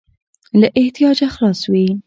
له احتیاجه خلاص وي.